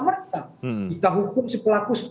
merta kita hukum sepelaku